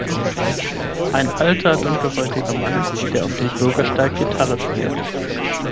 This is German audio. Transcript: Ein alter dunkelhäutiger Mann, der auf dem Bürgersteig Gitarre spielt.